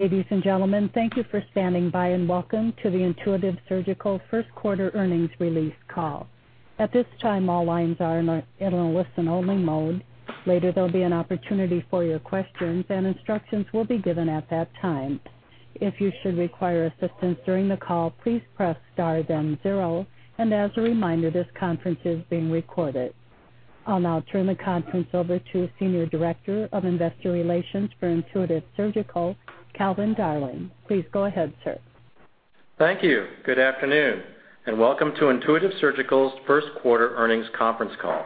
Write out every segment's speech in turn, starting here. Ladies and gentlemen, thank you for standing by, and welcome to the Intuitive Surgical first quarter earnings release call. At this time, all lines are in a listen-only mode. Later, there'll be an opportunity for your questions, and instructions will be given at that time. If you should require assistance during the call, please press star then zero, and as a reminder, this conference is being recorded. I'll now turn the conference over to Senior Director of Investor Relations for Intuitive Surgical, Calvin Darling. Please go ahead, sir. Thank you. Good afternoon, and welcome to Intuitive Surgical's first quarter earnings conference call.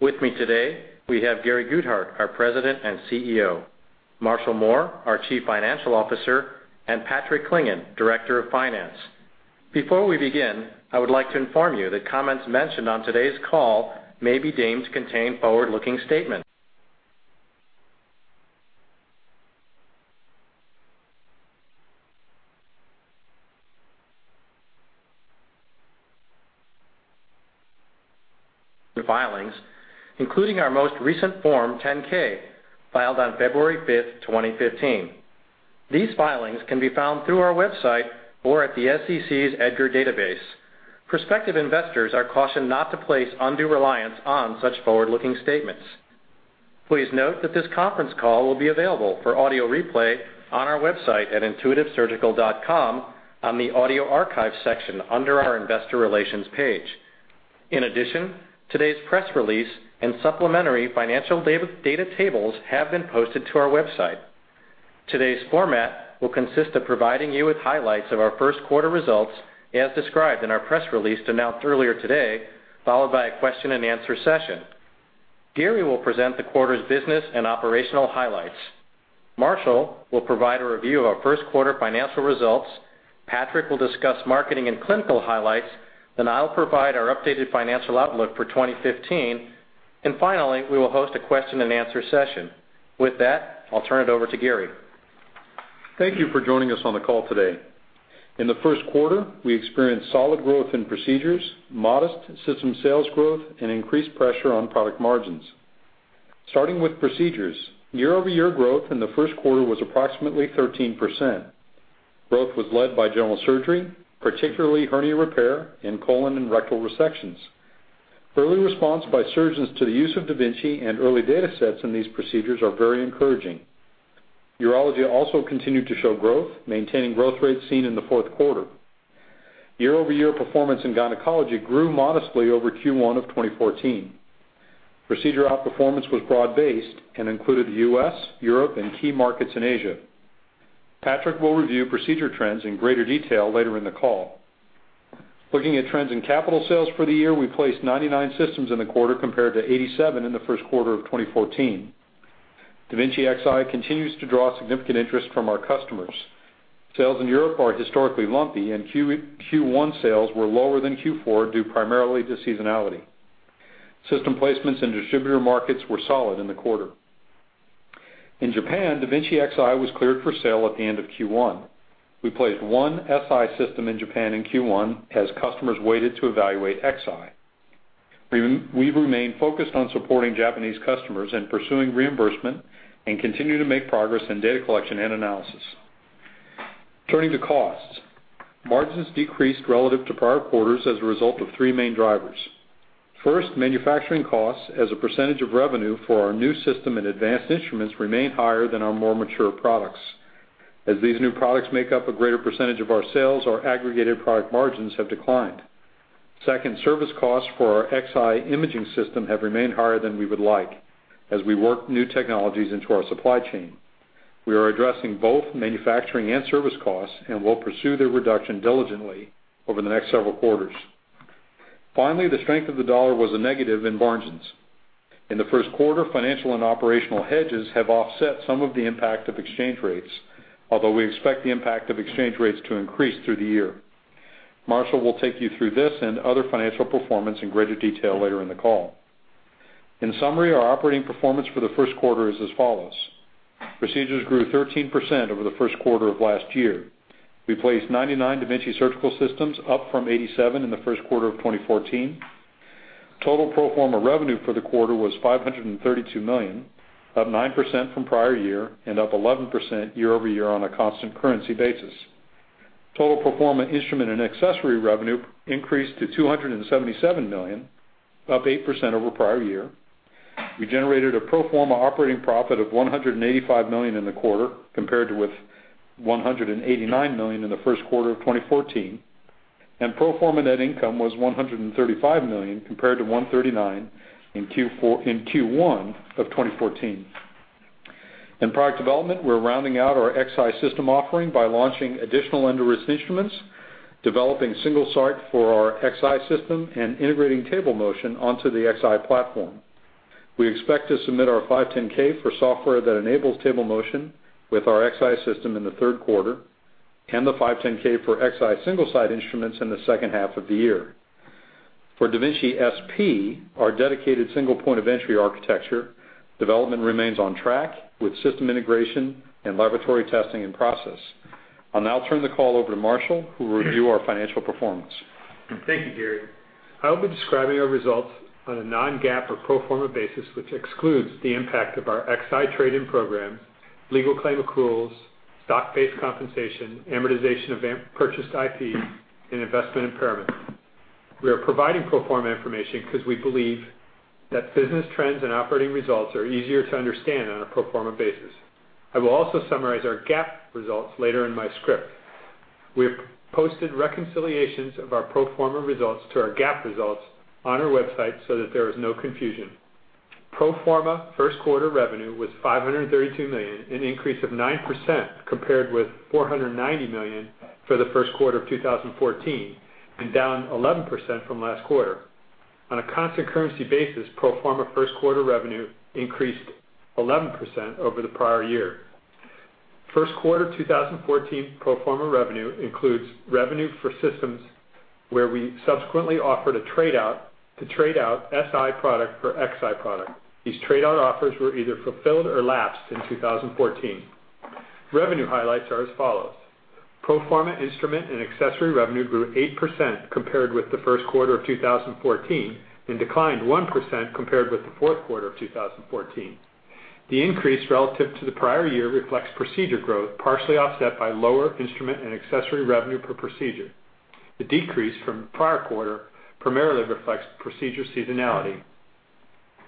With me today, we have Gary Guthart, our President and CEO, Marshall Mohr, our Chief Financial Officer, and Patrick Clingan, Director of Finance. Before we begin, I would like to inform you that comments mentioned on today's call may be deemed to contain forward-looking statements. Filings, including our most recent Form 10-K, filed on February 5, 2015. These filings can be found through our website or at the SEC's EDGAR database. Prospective investors are cautioned not to place undue reliance on such forward-looking statements. Please note that this conference call will be available for audio replay on our website at intuitivesurgical.com on the audio archive section under our investor relations page. In addition, today's press release and supplementary financial data tables have been posted to our website. Today's format will consist of providing you with highlights of our first quarter results, as described in our press release announced earlier today, followed by a question and answer session. Gary will present the quarter's business and operational highlights. Marshall will provide a review of our first quarter financial results. Patrick will discuss marketing and clinical highlights. I'll provide our updated financial outlook for 2015. Finally, we will host a question and answer session. With that, I'll turn it over to Gary. Thank you for joining us on the call today. In the first quarter, we experienced solid growth in procedures, modest system sales growth, and increased pressure on product margins. Starting with procedures. Year-over-year growth in the first quarter was approximately 13%. Growth was led by general surgery, particularly hernia repair and colon and rectal resections. Early response by surgeons to the use of da Vinci and early data sets in these procedures are very encouraging. Urology also continued to show growth, maintaining growth rates seen in the fourth quarter. Year-over-year performance in gynecology grew modestly over Q1 of 2014. Procedure outperformance was broad-based and included the U.S., Europe, and key markets in Asia. Patrick will review procedure trends in greater detail later in the call. Looking at trends in capital sales for the year, we placed 99 systems in the quarter compared to 87 in the first quarter of 2014. da Vinci Xi continues to draw significant interest from our customers. Sales in Europe are historically lumpy, and Q1 sales were lower than Q4 due primarily to seasonality. System placements in distributor markets were solid in the quarter. In Japan, da Vinci Xi was cleared for sale at the end of Q1. We placed one Si system in Japan in Q1 as customers waited to evaluate Xi. We remain focused on supporting Japanese customers and pursuing reimbursement and continue to make progress in data collection and analysis. Turning to costs. Margins decreased relative to prior quarters as a result of three main drivers. First, manufacturing costs as a percentage of revenue for our new system and advanced instruments remain higher than our more mature products. As these new products make up a greater percentage of our sales, our aggregated product margins have declined. Second, service costs for our Xi imaging system have remained higher than we would like as we work new technologies into our supply chain. We are addressing both manufacturing and service costs and will pursue their reduction diligently over the next several quarters. Finally, the strength of the dollar was a negative in margins. In the first quarter, financial and operational hedges have offset some of the impact of exchange rates, although we expect the impact of exchange rates to increase through the year. Marshall will take you through this and other financial performance in greater detail later in the call. In summary, our operating performance for the first quarter is as follows. Procedures grew 13% over the first quarter of last year. We placed 99 da Vinci surgical systems, up from 87 in the first quarter of 2014. Total pro forma revenue for the quarter was $532 million, up 9% from prior year and up 11% year-over-year on a constant currency basis. Total pro forma instrument and accessory revenue increased to $277 million, up 8% over prior year. We generated a pro forma operating profit of $185 million in the quarter, compared with $189 million in the first quarter of 2014. Pro forma net income was $135 million, compared to $139 in Q1 of 2014. In product development, we're rounding out our Xi system offering by launching additional EndoWrist instruments, developing Single-Site for our Xi system, and integrating table motion onto the Xi platform. We expect to submit our 510(k) for software that enables table motion with our Xi system in the third quarter and the 510(k) for Xi Single-Site instruments in the second half of the year. For da Vinci SP, our dedicated single point of entry architecture, development remains on track with system integration and laboratory testing in process. I'll now turn the call over to Marshall, who will review our financial performance. Thank you, Gary. I will be describing our results on a non-GAAP or pro forma basis, which excludes the impact of our Xi trade-in program, legal claim accruals, stock-based compensation, amortization of purchased IP, and investment impairment. We are providing pro forma information because we believe that business trends and operating results are easier to understand on a pro forma basis. I will also summarize our GAAP results later in my script. We have posted reconciliations of our pro forma results to our GAAP results on our website so that there is no confusion. Pro forma first quarter revenue was $532 million, an increase of 9% compared with $490 million for the first quarter of 2014, and down 11% from last quarter. On a constant currency basis, pro forma first quarter revenue increased 11% over the prior year. First quarter 2014 pro forma revenue includes revenue for systems where we subsequently offered a trade-out to trade-out Si product for Xi product. These trade-out offers were either fulfilled or lapsed in 2014. Revenue highlights are as follows. Pro forma instrument and accessory revenue grew 8% compared with the first quarter of 2014 and declined 1% compared with the fourth quarter of 2014. The increase relative to the prior year reflects procedure growth, partially offset by lower instrument and accessory revenue per procedure. The decrease from the prior quarter primarily reflects procedure seasonality.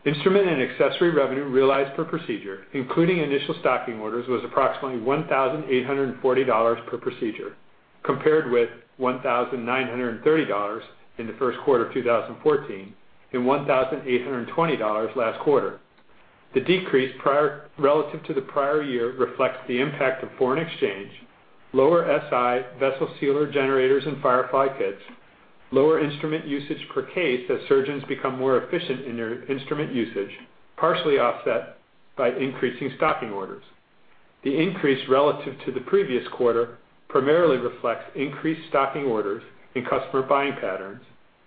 Instrument and accessory revenue realized per procedure, including initial stocking orders, was approximately $1,840 per procedure, compared with $1,930 in the first quarter of 2014 and $1,820 last quarter. The decrease relative to the prior year reflects the impact of foreign exchange, lower Si Vessel Sealer generators and Firefly kits, lower instrument usage per case as surgeons become more efficient in their instrument usage, partially offset by increasing stocking orders. The increase relative to the previous quarter primarily reflects increased stocking orders and customer buying patterns,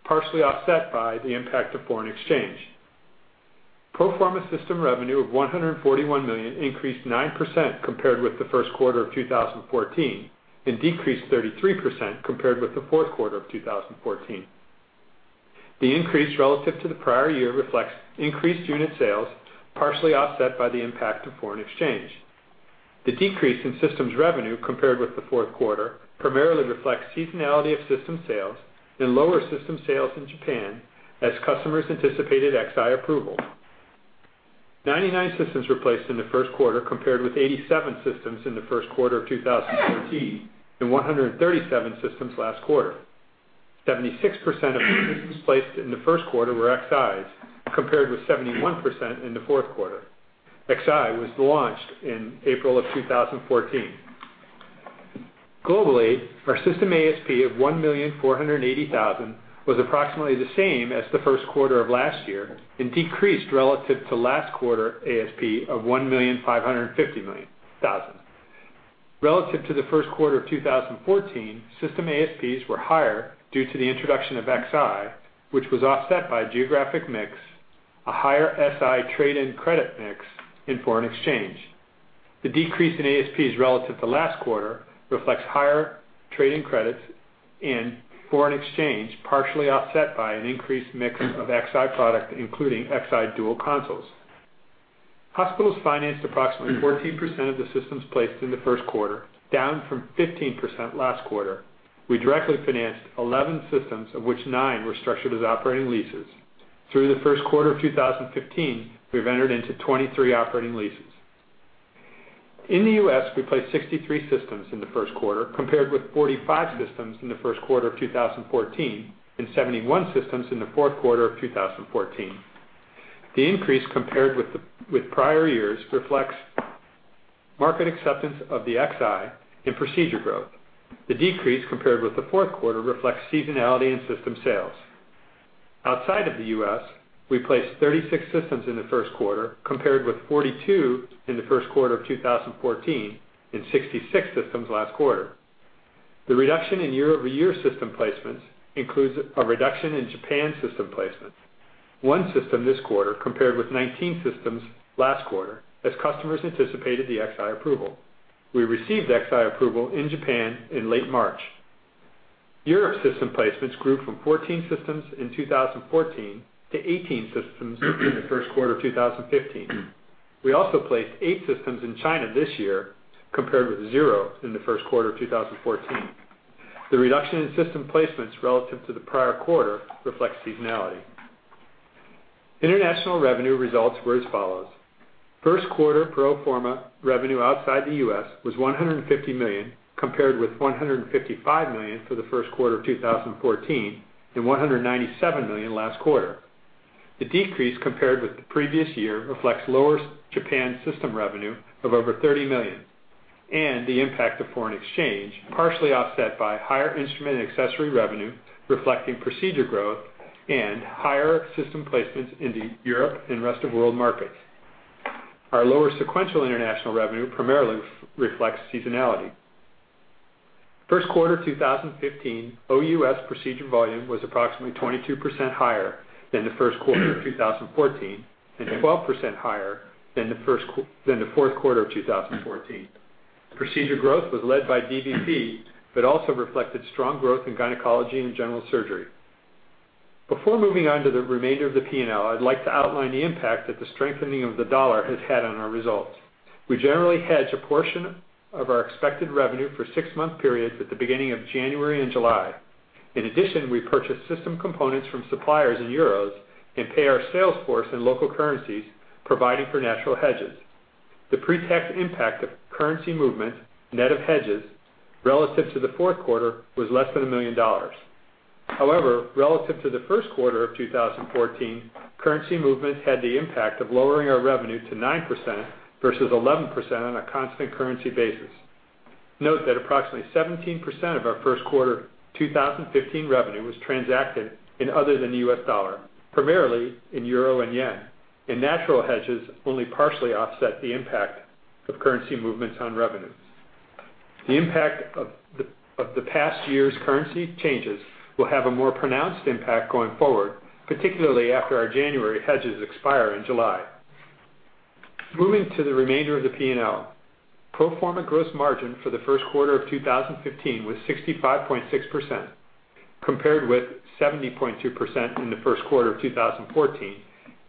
partially offset by the impact of foreign exchange. Pro forma system revenue of $141 million increased 9% compared with the first quarter of 2014 and decreased 33% compared with the fourth quarter of 2014. The increase relative to the prior year reflects increased unit sales, partially offset by the impact of foreign exchange. The decrease in systems revenue compared with the fourth quarter primarily reflects seasonality of system sales and lower system sales in Japan as customers anticipated Xi approval. 99 systems were placed in the first quarter compared with 87 systems in the first quarter of 2014 and 137 systems last quarter. 76% of systems placed in the first quarter were Xis, compared with 71% in the fourth quarter. Xi was launched in April of 2014. Globally, our system ASP of $1,480,000 was approximately the same as the first quarter of last year and decreased relative to last quarter ASP of $1,550,000. Relative to the first quarter of 2014, system ASPs were higher due to the introduction of Xi, which was offset by geographic mix, a higher Si trade-in credit mix, and foreign exchange. The decrease in ASPs relative to last quarter reflects higher trade-in credits and foreign exchange, partially offset by an increased mix of Xi product, including Xi dual consoles. Hospitals financed approximately 14% of the systems placed in the first quarter, down from 15% last quarter. We directly financed 11 systems, of which nine were structured as operating leases. Through the first quarter of 2015, we've entered into 23 operating leases. In the U.S., we placed 63 systems in the first quarter, compared with 45 systems in the first quarter of 2014 and 71 systems in the fourth quarter of 2014. The increase compared with prior years reflects market acceptance of the Xi and procedure growth. The decrease compared with the fourth quarter reflects seasonality in system sales. Outside of the U.S., we placed 36 systems in the first quarter, compared with 42 in the first quarter of 2014 and 66 systems last quarter. The reduction in year-over-year system placements includes a reduction in Japan system placements. One system this quarter, compared with 19 systems last quarter, as customers anticipated the Xi approval. We received Xi approval in Japan in late March. Europe system placements grew from 14 systems in 2014 to 18 systems in the first quarter of 2015. We also placed eight systems in China this year, compared with zero in the first quarter of 2014. The reduction in system placements relative to the prior quarter reflects seasonality. International revenue results were as follows. First quarter pro forma revenue outside the U.S. was $150 million, compared with $155 million for the first quarter of 2014 and $197 million last quarter. The decrease compared with the previous year reflects lower Japan system revenue of over $30 million and the impact of foreign exchange, partially offset by higher instrument and accessory revenue reflecting procedure growth and higher system placements in the Europe and rest of world markets. Our lower sequential international revenue primarily reflects seasonality. First quarter 2015, OUS procedure volume was approximately 22% higher than the first quarter of 2014, and 12% higher than the fourth quarter of 2014. Procedure growth was led by DVP, but also reflected strong growth in gynecology and general surgery. Before moving on to the remainder of the P&L, I'd like to outline the impact that the strengthening of the dollar has had on our results. We generally hedge a portion of our expected revenue for six-month periods at the beginning of January and July. In addition, we purchase system components from suppliers in euros and pay our sales force in local currencies, providing for natural hedges. The pre-tax impact of currency movement, net of hedges, relative to the fourth quarter, was less than $1 million. Relative to the first quarter of 2014, currency movements had the impact of lowering our revenue to 9% versus 11% on a constant currency basis. Note that approximately 17% of our first quarter 2015 revenue was transacted in other than U.S. dollar, primarily in euro and yen, and natural hedges only partially offset the impact of currency movements on revenues. The impact of the past year's currency changes will have a more pronounced impact going forward, particularly after our January hedges expire in July. Moving to the remainder of the P&L. Pro forma gross margin for the first quarter of 2015 was 65.6%, compared with 70.2% in the first quarter of 2014,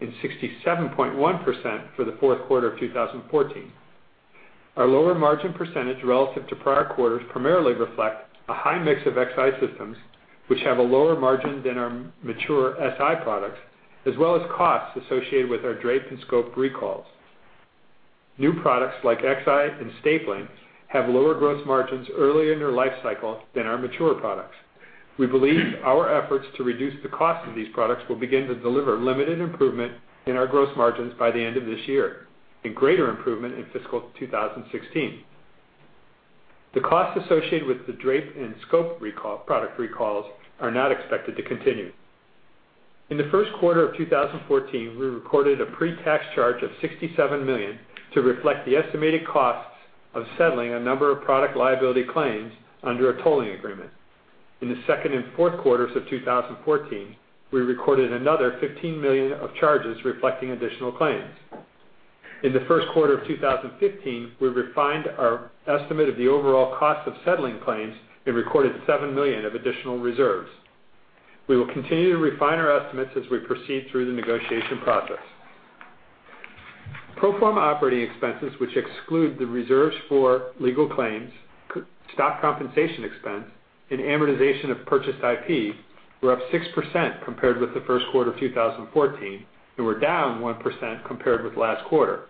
and 67.1% for the fourth quarter of 2014. Our lower margin percentage relative to prior quarters primarily reflect a high mix of Xi systems, which have a lower margin than our mature Si products, as well as costs associated with our drape and scope recalls. New products like Xi and stapling have lower gross margins early in their life cycle than our mature products. We believe our efforts to reduce the cost of these products will begin to deliver limited improvement in our gross margins by the end of this year, and greater improvement in fiscal 2016. The costs associated with the drape and scope product recalls are not expected to continue. In the first quarter of 2014, we recorded a pre-tax charge of $67 million to reflect the estimated costs of settling a number of product liability claims under a tolling agreement. In the second and fourth quarters of 2014, we recorded another $15 million of charges reflecting additional claims. In the first quarter of 2015, we refined our estimate of the overall cost of settling claims and recorded $7 million of additional reserves. We will continue to refine our estimates as we proceed through the negotiation process. Pro forma operating expenses, which exclude the reserves for legal claims, stock compensation expense, and amortization of purchased IP, were up 6% compared with the first quarter of 2014 and were down 1% compared with last quarter.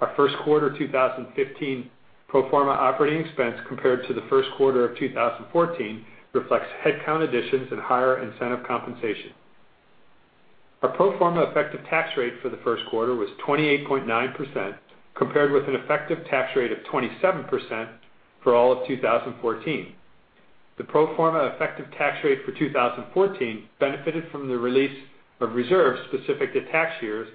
Our first quarter 2015 pro forma operating expense compared to the first quarter of 2014 reflects headcount additions and higher incentive compensation. Our pro forma effective tax rate for the first quarter was 28.9%, compared with an effective tax rate of 27% for all of 2014. The pro forma effective tax rate for 2014 benefited from the release of reserves specific to tax years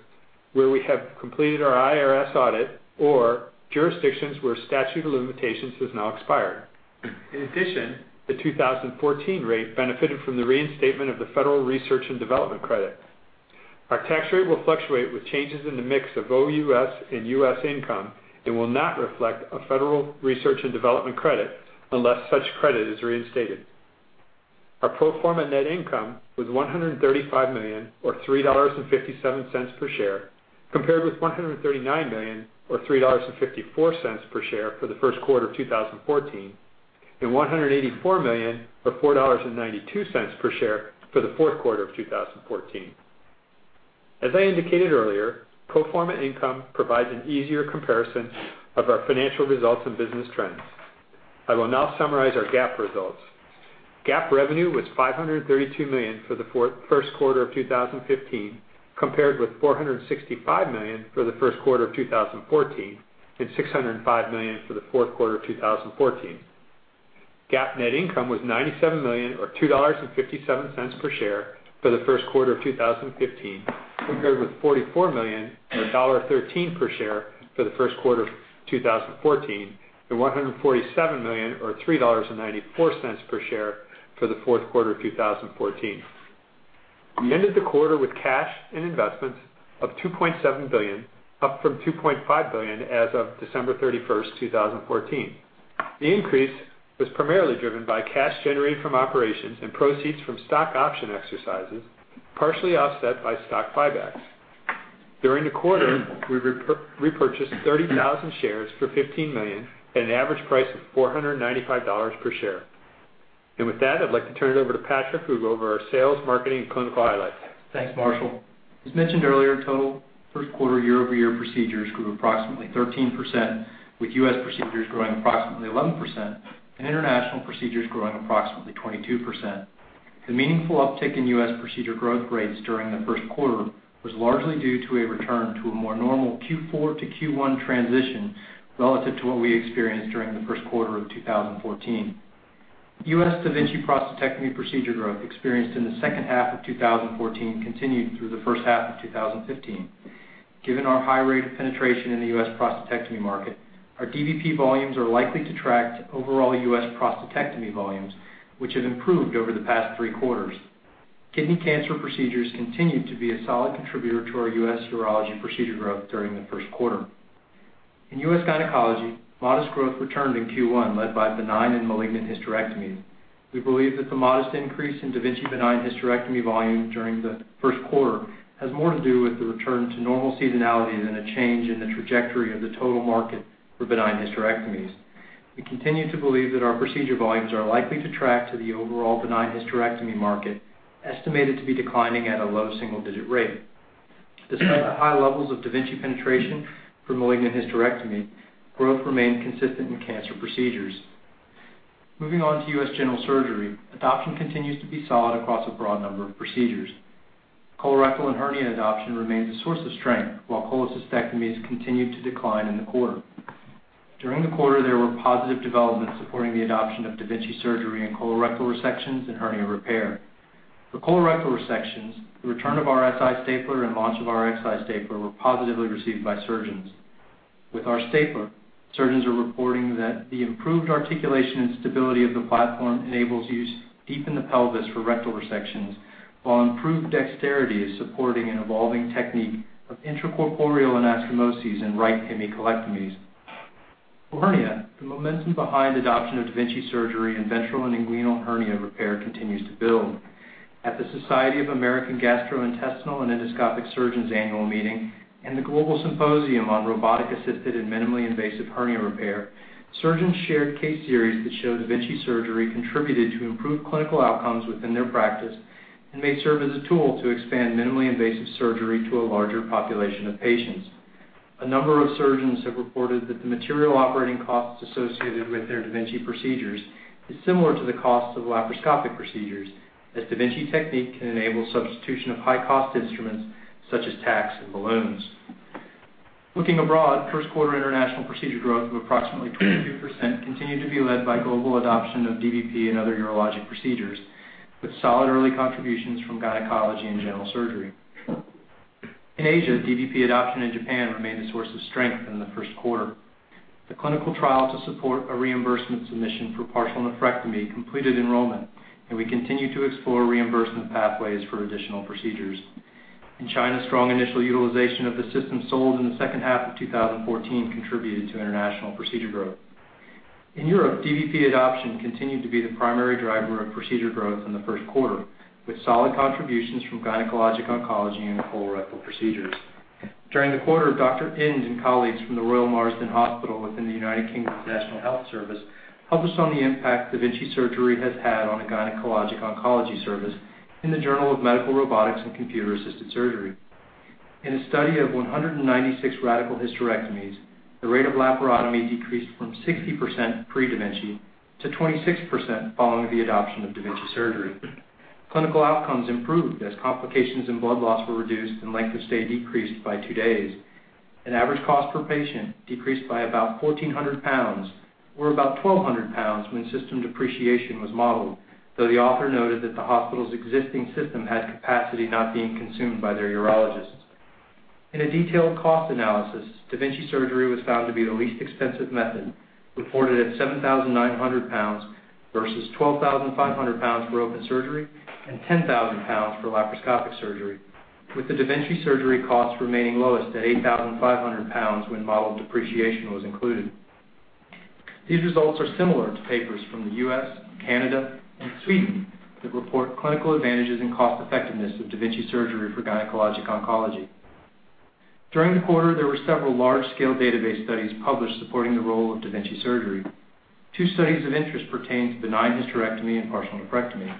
where we have completed our IRS audit or jurisdictions where statute of limitations has now expired. In addition, the 2014 rate benefited from the reinstatement of the federal research and development credit. Our tax rate will fluctuate with changes in the mix of OUS and U.S. income and will not reflect a federal research and development credit unless such credit is reinstated. Our pro forma net income was $135 million, or $3.57 per share, compared with $139 million, or $3.54 per share for the first quarter of 2014, and $184 million or $4.92 per share for the fourth quarter of 2014. As I indicated earlier, pro forma income provides an easier comparison of our financial results and business trends. I will now summarize our GAAP results. GAAP revenue was $532 million for the first quarter of 2015, compared with $465 million for the first quarter of 2014 and $605 million for the fourth quarter of 2014. GAAP net income was $97 million, or $2.57 per share for the first quarter of 2015, compared with $44 million, or $1.13 per share for the first quarter of 2014, and $147 million, or $3.94 per share for the fourth quarter of 2014. We ended the quarter with cash and investments of $2.7 billion, up from $2.5 billion as of December 31st, 2014. The increase was primarily driven by cash generated from operations and proceeds from stock option exercises, partially offset by stock buybacks. During the quarter, we repurchased 30,000 shares for $15 million at an average price of $495 per share. I'd like to turn it over to Patrick, who will go over our sales, marketing, and clinical highlights. Thanks, Marshall. As mentioned earlier, total first quarter year-over-year procedures grew approximately 13%, with U.S. procedures growing approximately 11% and international procedures growing approximately 22%. The meaningful uptick in U.S. procedure growth rates during the first quarter was largely due to a return to a more normal Q4 to Q1 transition relative to what we experienced during the first quarter of 2014. U.S. da Vinci prostatectomy procedure growth experienced in the second half of 2014 continued through the first half of 2015. Given our high rate of penetration in the U.S. prostatectomy market, our DVP volumes are likely to track to overall U.S. prostatectomy volumes, which have improved over the past three quarters. Kidney cancer procedures continued to be a solid contributor to our U.S. urology procedure growth during the first quarter. In U.S. gynecology, modest growth returned in Q1, led by benign and malignant hysterectomies. We believe that the modest increase in da Vinci benign hysterectomy volume during the first quarter has more to do with the return to normal seasonality than a change in the trajectory of the total market for benign hysterectomies. We continue to believe that our procedure volumes are likely to track to the overall benign hysterectomy market, estimated to be declining at a low single-digit rate. Despite the high levels of da Vinci penetration for malignant hysterectomy, growth remained consistent in cancer procedures. Moving on to U.S. general surgery, adoption continues to be solid across a broad number of procedures. Colorectal and hernia adoption remains a source of strength, while cholecystectomies continued to decline in the quarter. During the quarter, there were positive developments supporting the adoption of da Vinci surgery in colorectal resections and hernia repair. For colorectal resections, the return of our Si stapler and launch of our Xi stapler were positively received by surgeons. With our stapler, surgeons are reporting that the improved articulation and stability of the platform enables use deep in the pelvis for rectal resections, while improved dexterity is supporting an evolving technique of intracorporeal anastomoses in right hemicolectomies. For hernia, the momentum behind adoption of da Vinci surgery in ventral and inguinal hernia repair continues to build. At the Society of American Gastrointestinal and Endoscopic Surgeons annual meeting and the Global Symposium on Robotic-Assisted and Minimally Invasive Hernia Repair, surgeons shared case series that show da Vinci surgery contributed to improved clinical outcomes within their practice and may serve as a tool to expand minimally invasive surgery to a larger population of patients. A number of surgeons have reported that the material operating costs associated with their da Vinci procedures is similar to the costs of laparoscopic procedures, as da Vinci technique can enable substitution of high-cost instruments such as tacks and balloons. Looking abroad, first quarter international procedure growth of approximately 22% continued to be led by global adoption of DVP and other urologic procedures, with solid early contributions from gynecology and general surgery. In Asia, DVP adoption in Japan remained a source of strength in the first quarter. The clinical trial to support a reimbursement submission for partial nephrectomy completed enrollment, and we continue to explore reimbursement pathways for additional procedures. In China, strong initial utilization of the system sold in the second half of 2014 contributed to international procedure growth. In Europe, DVP adoption continued to be the primary driver of procedure growth in the first quarter, with solid contributions from gynecologic oncology and colorectal procedures. During the quarter, Dr. Ind and colleagues from the Royal Marsden Hospital within the United Kingdom's National Health Service published on the impact da Vinci surgery has had on a gynecologic oncology service in the Journal of Medical Robotics and Computer Assisted Surgery. In a study of 196 radical hysterectomies, the rate of laparotomy decreased from 60% pre-da Vinci to 26% following the adoption of da Vinci surgery. Clinical outcomes improved as complications and blood loss were reduced and length of stay decreased by two days. An average cost per patient decreased by about 1,400 pounds or about 1,200 pounds when system depreciation was modeled, though the author noted that the hospital's existing system had capacity not being consumed by their urologists. In a detailed cost analysis, da Vinci surgery was found to be the least expensive method, reported at 7,900 pounds versus 12,500 pounds for open surgery and 10,000 pounds for laparoscopic surgery, with the da Vinci surgery cost remaining lowest at 8,500 pounds when modeled depreciation was included. These results are similar to papers from the U.S., Canada, and Sweden that report clinical advantages and cost-effectiveness of da Vinci surgery for gynecologic oncology. During the quarter, there were several large-scale database studies published supporting the role of da Vinci surgery. Two studies of interest pertain to benign hysterectomy and partial nephrectomy.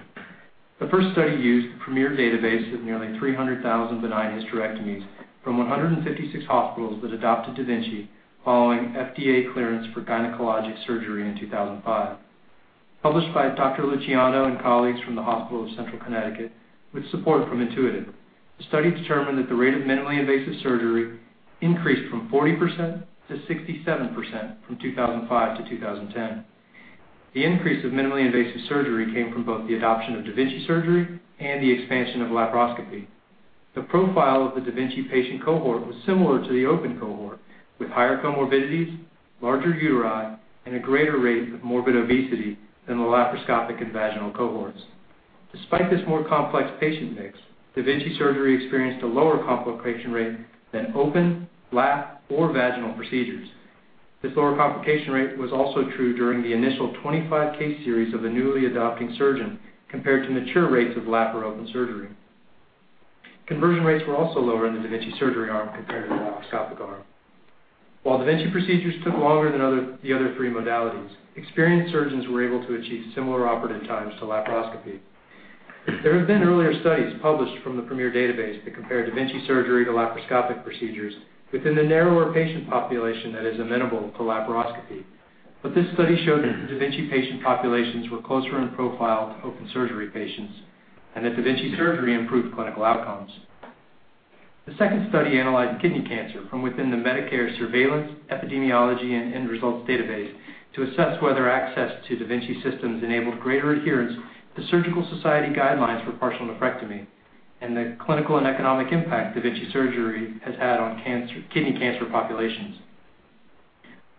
The first study used the Premier database of nearly 300,000 benign hysterectomies from 156 hospitals that adopted da Vinci following FDA clearance for gynecologic surgery in 2005. Published by Dr. Luciano and colleagues from The Hospital of Central Connecticut with support from Intuitive, the study determined that the rate of minimally invasive surgery increased from 40% to 67% from 2005 to 2010. The increase of minimally invasive surgery came from both the adoption of da Vinci surgery and the expansion of laparoscopy. The profile of the da Vinci patient cohort was similar to the open cohort, with higher comorbidities, larger uteri, and a greater rate of morbid obesity than the laparoscopic and vaginal cohorts. Despite this more complex patient mix, da Vinci surgery experienced a lower complication rate than open, lap, or vaginal procedures. This lower complication rate was also true during the initial 25-case series of the newly adopting surgeon compared to mature rates of lap or open surgery. Conversion rates were also lower in the da Vinci surgery arm compared to the laparoscopic arm. While da Vinci procedures took longer than the other three modalities, experienced surgeons were able to achieve similar operative times to laparoscopy. There have been earlier studies published from the Premier database that compare da Vinci surgery to laparoscopic procedures within the narrower patient population that is amenable to laparoscopy. This study showed that da Vinci patient populations were closer in profile to open surgery patients and that da Vinci surgery improved clinical outcomes. The second study analyzed kidney cancer from within the Medicare Surveillance, Epidemiology, and End Results database to assess whether access to da Vinci systems enabled greater adherence to surgical society guidelines for partial nephrectomy and the clinical and economic impact da Vinci surgery has had on kidney cancer populations.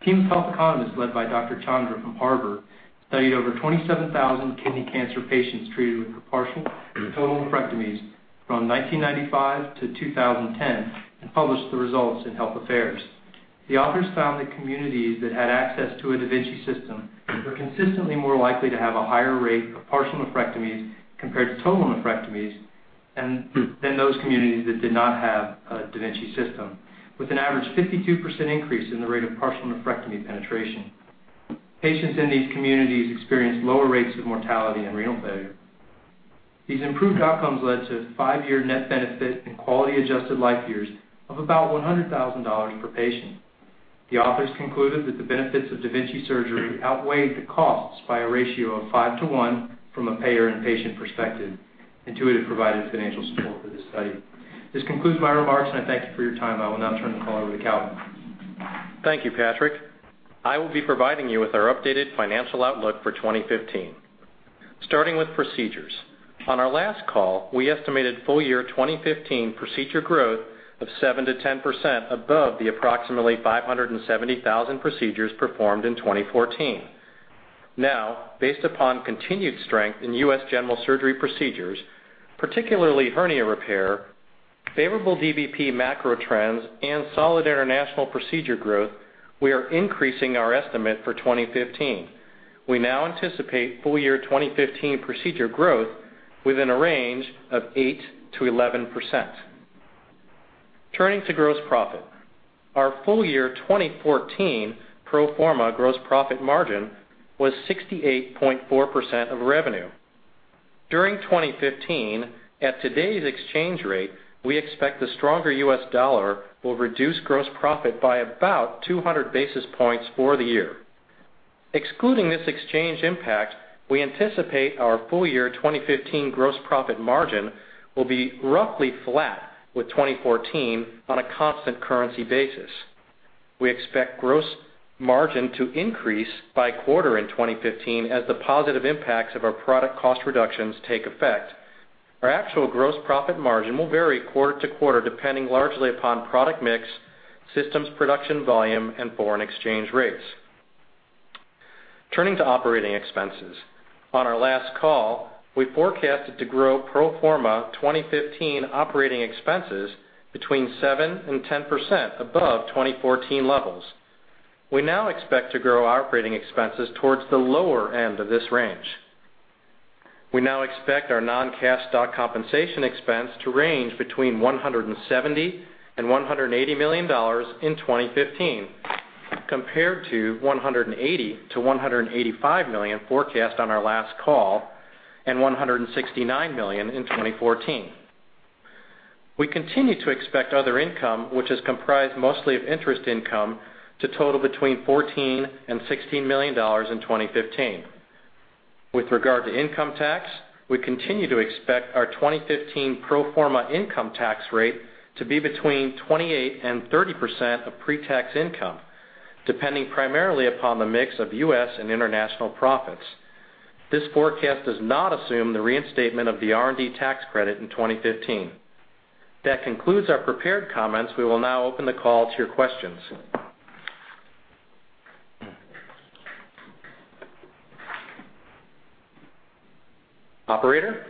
A team of health economists led by Dr. Chandra from Harvard studied over 27,000 kidney cancer patients treated with partial and total nephrectomies from 1995 to 2010 and published the results in Health Affairs. The authors found that communities that had access to a da Vinci system were consistently more likely to have a higher rate of partial nephrectomies compared to total nephrectomies than those communities that did not have a da Vinci system. With an average 52% increase in the rate of partial nephrectomy penetration, patients in these communities experienced lower rates of mortality and renal failure. These improved outcomes led to a five-year net benefit in quality adjusted life years of about $100,000 per patient. The authors concluded that the benefits of da Vinci surgery outweighed the costs by a ratio of 5 to 1 from a payer and patient perspective. Intuitive provided financial support for this study. This concludes my remarks, and I thank you for your time. I will now turn the call over to Calvin. Thank you, Patrick. I will be providing you with our updated financial outlook for 2015. Starting with procedures. On our last call, we estimated full-year 2015 procedure growth of 7%-10% above the approximately 570,000 procedures performed in 2014. Now, based upon continued strength in U.S. general surgery procedures, particularly hernia repair, favorable DVP macro trends, and solid international procedure growth, we are increasing our estimate for 2015. We now anticipate full-year 2015 procedure growth within a range of 8%-11%. Turning to gross profit. Our full-year 2014 pro forma gross profit margin was 68.4% of revenue. During 2015, at today's exchange rate, we expect the stronger U.S. dollar will reduce gross profit by about 200 basis points for the year. Excluding this exchange impact, we anticipate our full-year 2015 gross profit margin will be roughly flat with 2014 on a constant currency basis. We expect gross margin to increase by quarter in 2015 as the positive impacts of our product cost reductions take effect. Our actual gross profit margin will vary quarter to quarter, depending largely upon product mix, systems production volume, and foreign exchange rates. Turning to operating expenses. On our last call, we forecasted to grow pro forma 2015 operating expenses between 7% and 10% above 2014 levels. We now expect to grow operating expenses towards the lower end of this range. We now expect our non-cash stock compensation expense to range between $170 million and $180 million in 2015, compared to $180 million-$185 million forecast on our last call and $169 million in 2014. We continue to expect other income, which is comprised mostly of interest income, to total between $14 million and $16 million in 2015. With regard to income tax, we continue to expect our 2015 pro forma income tax rate to be between 28% and 30% of pre-tax income, depending primarily upon the mix of U.S. and international profits. This forecast does not assume the reinstatement of the R&D tax credit in 2015. That concludes our prepared comments. We will now open the call to your questions. Operator?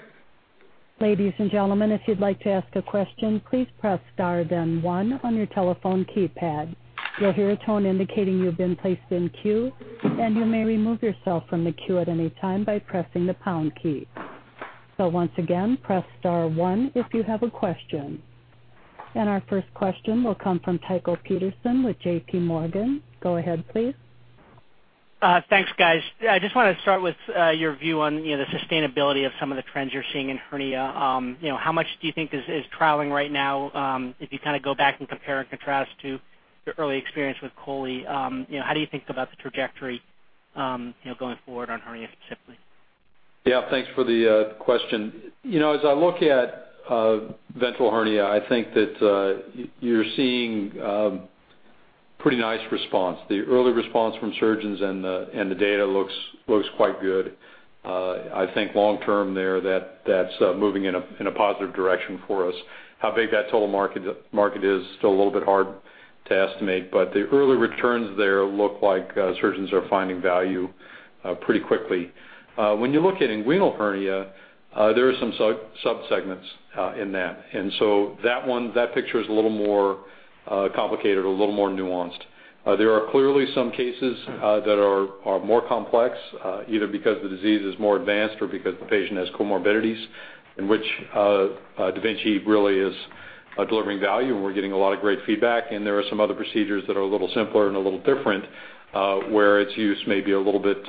Ladies and gentlemen, if you'd like to ask a question, please press star then one on your telephone keypad. You'll hear a tone indicating you've been placed in queue, and you may remove yourself from the queue at any time by pressing the pound key. Once again, press star one if you have a question. Our first question will come from Tycho Peterson with J.P. Morgan. Go ahead, please. Thanks, guys. I just want to start with your view on the sustainability of some of the trends you're seeing in hernia. How much do you think is trialing right now? If you go back and compare and contrast to your early experience with chole, how do you think about the trajectory going forward on hernia specifically? Yeah, thanks for the question. As I look at ventral hernia, I think that you're seeing a pretty nice response. The early response from surgeons and the data looks quite good. I think long term there, that's moving in a positive direction for us. How big that total market is still a little bit hard to estimate, but the early returns there look like surgeons are finding value pretty quickly. When you look at inguinal hernia, there are some sub-segments in that. That picture is a little more complicated, a little more nuanced. There are clearly some cases that are more complex, either because the disease is more advanced or because the patient has comorbidities in which da Vinci really is delivering value, and we're getting a lot of great feedback. There are some other procedures that are a little simpler and a little different, where its use may be a little bit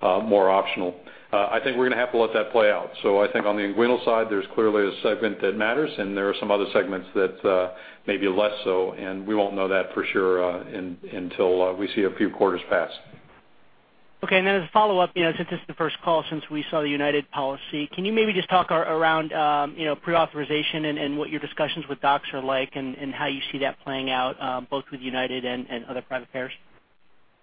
more optional. I think we're going to have to let that play out. I think on the inguinal side, there's clearly a segment that matters, and there are some other segments that may be less so, and we won't know that for sure until we see a few quarters pass. Okay. As a follow-up, since this is the first call since we saw the UnitedHealthcare policy, can you maybe just talk around pre-authorization and what your discussions with docs are like and how you see that playing out both with UnitedHealthcare and other private payers?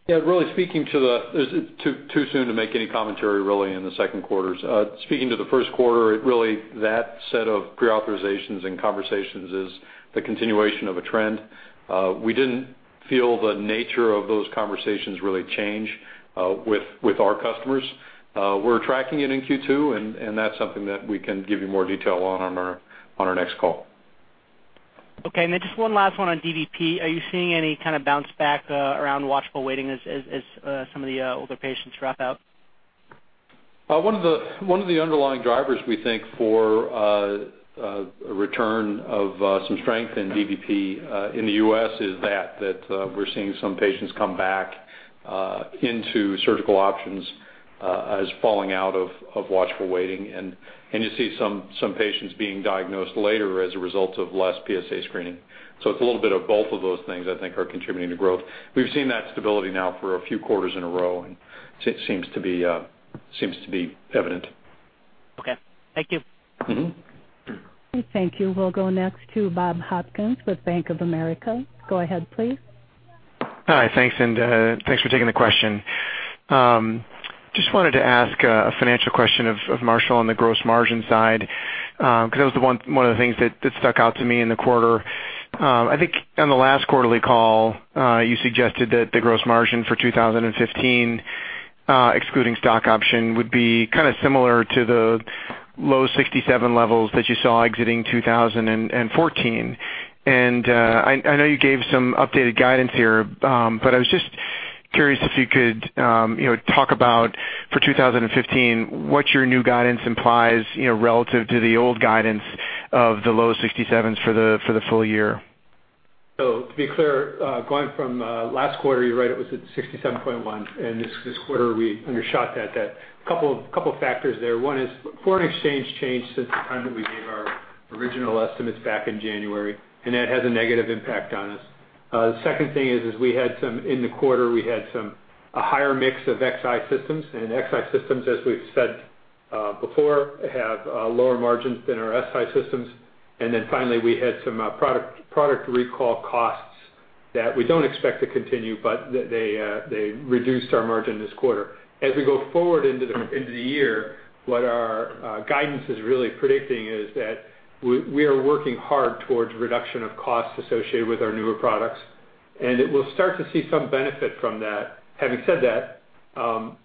Yeah, it's too soon to make any commentary really in the second quarters. Speaking to the first quarter, really that set of pre-authorizations and conversations is the continuation of a trend. We didn't feel the nature of those conversations really change with our customers. We're tracking it in Q2, that's something that we can give you more detail on our next call. Okay. Just one last one on DVP. Are you seeing any kind of bounce back around watchful waiting as some of the older patients drop out? One of the underlying drivers we think for a return of some strength in DVP in the U.S. is that we're seeing some patients come back into surgical options as falling out of watchful waiting, and you see some patients being diagnosed later as a result of less PSA screening. It's a little bit of both of those things I think are contributing to growth. We've seen that stability now for a few quarters in a row, and seems to be evident. Okay. Thank you. Thank you. We'll go next to Bob Hopkins with Bank of America. Go ahead, please. Hi, thanks for taking the question. Just wanted to ask a financial question of Marshall on the gross margin side, because that was one of the things that stuck out to me in the quarter. I think on the last quarterly call, you suggested that the gross margin for 2015, excluding stock option, would be kind of similar to the low 67 levels that you saw exiting 2014. I know you gave some updated guidance here, but I was just curious if you could talk about for 2015, what your new guidance implies relative to the old guidance of the low 67s for the full year. To be clear, going from last quarter, you're right, it was at 67.1, and this quarter, we undershot that. Couple of factors there. One is foreign exchange changed since the time that we gave our original estimates back in January, and that has a negative impact on us. The second thing is, we had some, in the quarter, we had a higher mix of Xi systems, and Xi systems, as we've said before, have lower margins than our Si systems. Finally, we had some product recall costs that we don't expect to continue, but they reduced our margin this quarter. As we go forward into the year, what our guidance is really predicting is that we are working hard towards reduction of costs associated with our newer products. We'll start to see some benefit from that. Having said that,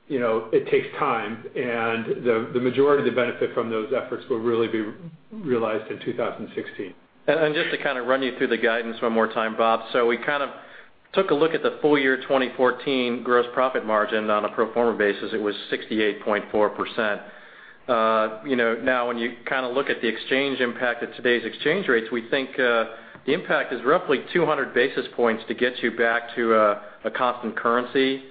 it takes time, and the majority of the benefit from those efforts will really be realized in 2016. Just to kind of run you through the guidance one more time, Bob. We kind of took a look at the full year 2014 gross profit margin on a pro forma basis, it was 68.4%. When you kind of look at the exchange impact at today's exchange rates, we think the impact is roughly 200 basis points to get you back to a constant currency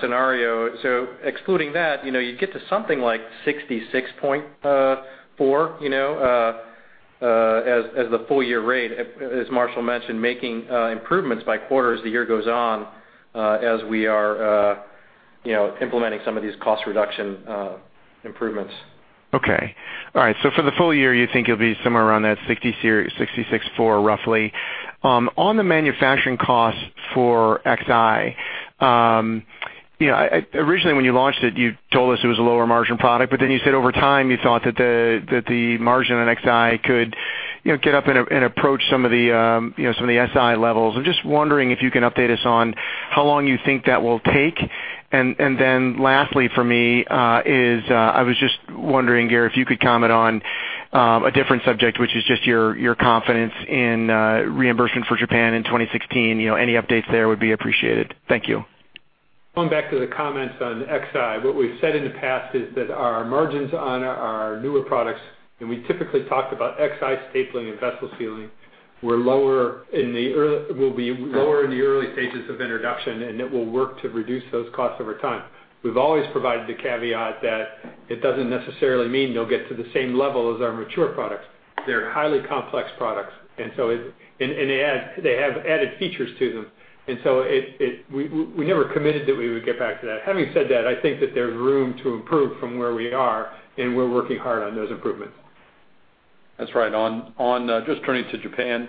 scenario. Excluding that, you get to something like 66.4 as the full year rate, as Marshall mentioned, making improvements by quarter as the year goes on, as we are implementing some of these cost reduction improvements. Okay. All right. For the full year, you think you'll be somewhere around that 66.4 roughly. On the manufacturing costs for Xi, originally when you launched it, you told us it was a lower margin product, but then you said over time, you thought that the margin on Xi could get up and approach some of the Si levels. I'm just wondering if you can update us on how long you think that will take. Lastly for me is, I was just wondering, Gary, if you could comment on a different subject, which is just your confidence in reimbursement for Japan in 2016. Any updates there would be appreciated. Thank you. Going back to the comments on Xi, what we've said in the past is that our margins on our newer products, and we typically talked about Xi stapling and vessel sealing, will be lower in the early stages of introduction, and it will work to reduce those costs over time. We've always provided the caveat that it doesn't necessarily mean they'll get to the same level as our mature products. They're highly complex products, and they have added features to them. We never committed that we would get back to that. Having said that, I think that there's room to improve from where we are, and we're working hard on those improvements. That's right. On just turning to Japan,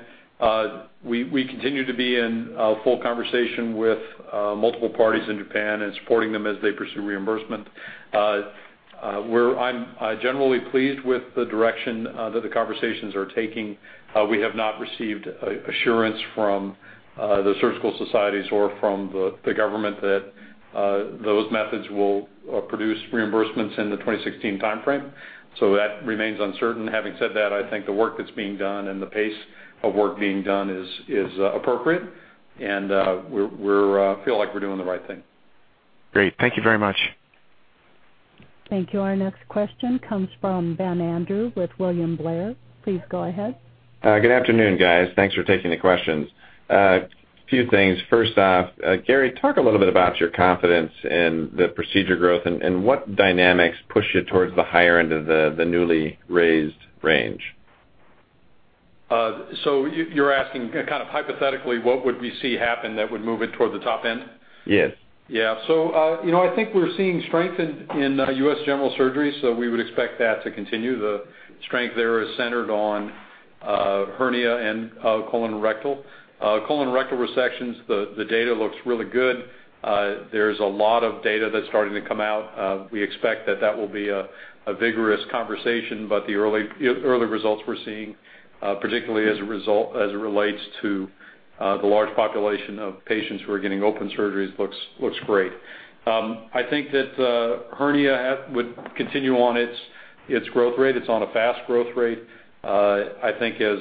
we continue to be in full conversation with multiple parties in Japan and supporting them as they pursue reimbursement. I'm generally pleased with the direction that the conversations are taking. We have not received assurance from the surgical societies or from the government that those methods will produce reimbursements in the 2016 timeframe. That remains uncertain. Having said that, I think the work that's being done and the pace of work being done is appropriate, and we feel like we're doing the right thing. Great. Thank you very much. Thank you. Our next question comes from Benjamin Andrew with William Blair. Please go ahead. Good afternoon, guys. Thanks for taking the questions. Few things. First off, Gary, talk a little bit about your confidence in the procedure growth and what dynamics push you towards the higher end of the newly raised range. You're asking kind of hypothetically, what would we see happen that would move it toward the top end? Yes. I think we're seeing strength in U.S. general surgery, so we would expect that to continue. The strength there is centered on hernia and colon and rectal. Colon rectal resections, the data looks really good. There's a lot of data that's starting to come out. We expect that that will be a vigorous conversation, but the early results we're seeing, particularly as it relates to the large population of patients who are getting open surgeries, looks great. I think that hernia would continue on its growth rate. It's on a fast growth rate. I think as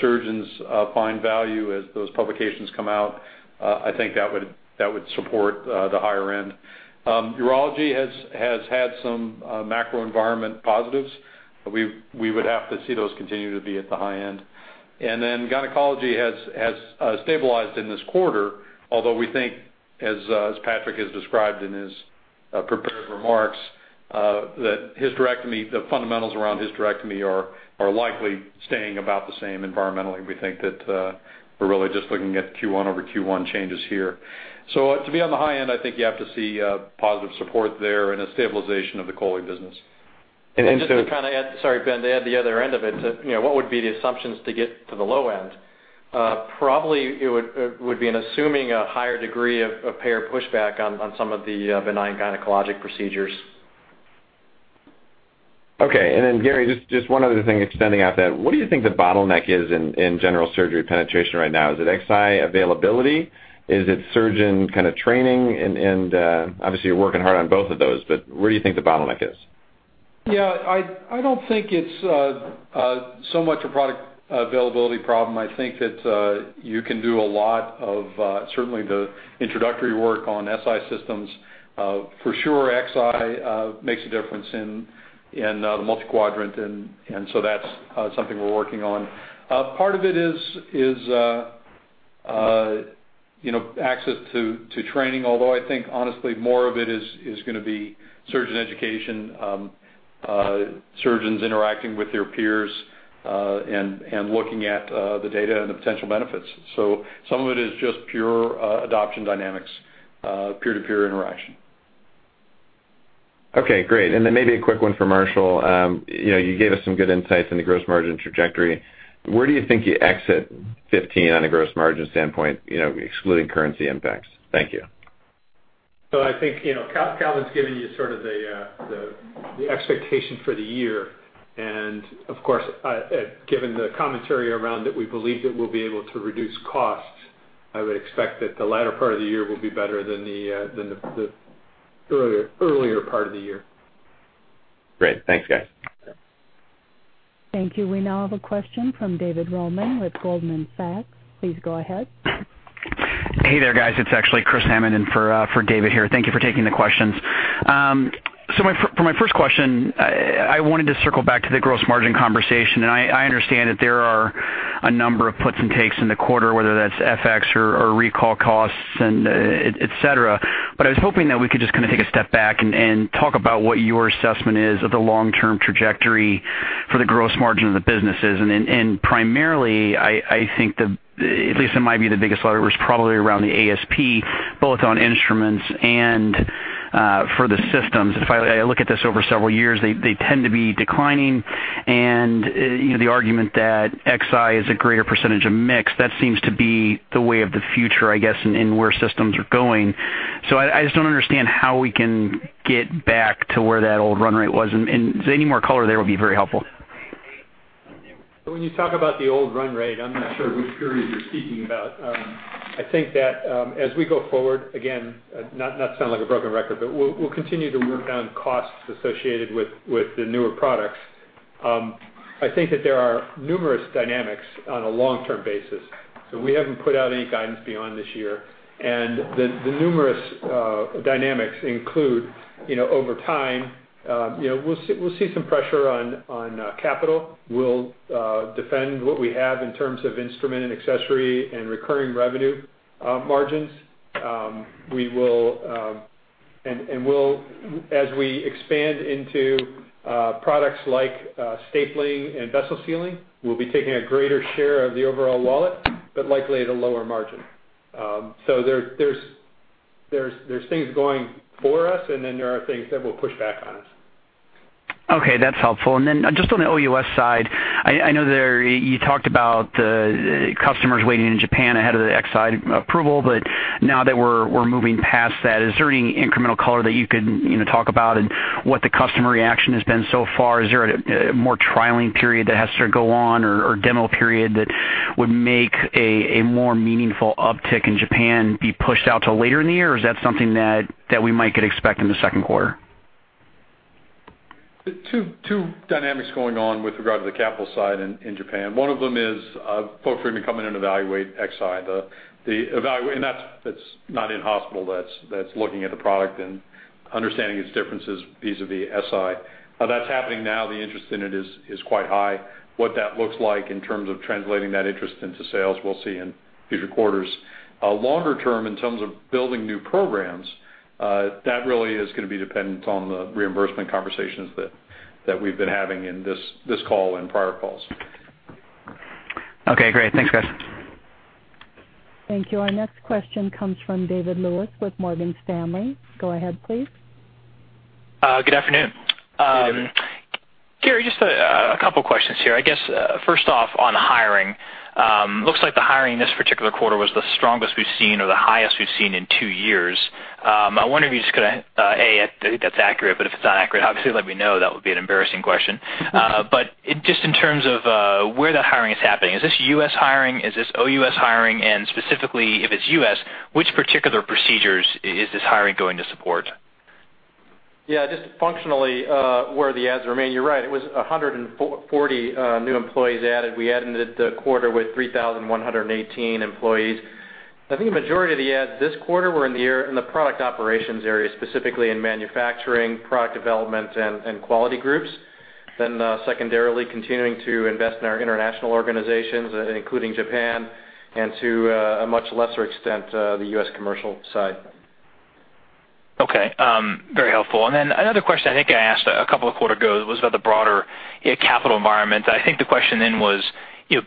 surgeons find value, as those publications come out, I think that would support the higher end. Urology has had some macro environment positives. We would have to see those continue to be at the high end. Gynecology has stabilized in this quarter. Although we think, as Patrick has described in his prepared remarks, that the fundamentals around hysterectomy are likely staying about the same environmentally. We think that we're really just looking at Q1-over-Q1 changes here. To be on the high end, I think you have to see positive support there and a stabilization of the chole business. Just to add, sorry, Ben, to add the other end of it, what would be the assumptions to get to the low end? Probably it would be assuming a higher degree of payer pushback on some of the benign gynecologic procedures. Okay. Gary, just one other thing extending off that, what do you think the bottleneck is in general surgery penetration right now? Is it Xi availability? Is it surgeon training? Obviously, you're working hard on both of those, where do you think the bottleneck is? I don't think it's so much a product availability problem. I think that you can do a lot of certainly the introductory work on Si systems. For sure Xi makes a difference in the multi-quadrant, that's something we're working on. Part of it is access to training. Although I think honestly more of it is going to be surgeon education, surgeons interacting with their peers, and looking at the data and the potential benefits. Some of it is just pure adoption dynamics, peer-to-peer interaction. Okay, great. Maybe a quick one for Marshall. You gave us some good insights on the gross margin trajectory. Where do you think you exit 2015 on a gross margin standpoint excluding currency impacts? Thank you. I think Calvin's given you sort of the expectation for the year, and of course, given the commentary around it, we'll be able to reduce costs. I would expect that the latter part of the year will be better than the earlier part of the year. Great. Thanks, guys. Thank you. We now have a question from David Roman with Goldman Sachs. Please go ahead. Hey there, guys. It's actually Chris Hammond in for David here. Thank you for taking the questions. For my first question, I wanted to circle back to the gross margin conversation. I understand that there are a number of puts and takes in the quarter, whether that's FX or recall costs, et cetera. I was hoping that we could just kind of take a step back and talk about what your assessment is of the long-term trajectory for the gross margin of the businesses. Primarily, I think the, at least in my view, the biggest lever was probably around the ASP, both on instruments and for the systems. If I look at this over several years, they tend to be declining. The argument that Xi is a greater percentage of mix, that seems to be the way of the future, I guess, in where systems are going. I just don't understand how we can get back to where that old run rate was. Any more color there would be very helpful. When you talk about the old run rate, I'm not sure which period you're speaking about. I think that as we go forward, again, not to sound like a broken record, we'll continue to work on costs associated with the newer products. I think that there are numerous dynamics on a long-term basis. We haven't put out any guidance beyond this year. The numerous dynamics include, over time we'll see some pressure on capital. We'll defend what we have in terms of instrument and accessory and recurring revenue margins. As we expand into products like stapling and Vessel Sealer, we'll be taking a greater share of the overall wallet, but likely at a lower margin. There's things going for us, then there are things that will push back on us. Okay, that's helpful. Then just on the OUS side, I know there you talked about the customers waiting in Japan ahead of the Xi approval. Now that we're moving past that, is there any incremental color that you could talk about and what the customer reaction has been so far? Is there a more trialing period that has to go on or demo period that would make a more meaningful uptick in Japan be pushed out till later in the year? Is that something that we might could expect in the second quarter? Two dynamics going on with regard to the capital side in Japan. One of them is folks are going to come in and evaluate Xi. That's not in-hospital. That's looking at the product and understanding its differences vis-à-vis Si. That's happening now. The interest in it is quite high. What that looks like in terms of translating that interest into sales, we'll see in future quarters. Longer term, in terms of building new programs, that really is going to be dependent on the reimbursement conversations that we've been having in this call and prior calls. Okay, great. Thanks, guys. Thank you. Our next question comes from David Lewis with Morgan Stanley. Go ahead, please. Good afternoon. Good afternoon. Gary, just a couple questions here. I guess, first off on hiring. Looks like the hiring this particular quarter was the strongest we've seen or the highest we've seen in two years. I wonder if you just could, A, if that's accurate, but if it's not accurate, obviously let me know, that would be an embarrassing question. Just in terms of where the hiring is happening, is this U.S. hiring? Is this OUS hiring? Specifically, if it's U.S., which particular procedures is this hiring going to support? Just functionally, where the adds remain, you're right, it was 140 new employees added. We added the quarter with 3,118 employees. I think a majority of the adds this quarter were in the product operations area, specifically in manufacturing, product development, and quality groups. Secondarily, continuing to invest in our international organizations, including Japan, and to a much lesser extent, the U.S. commercial side. Okay. Very helpful. Another question I think I asked a couple of quarter ago was about the broader capital environment. I think the question then was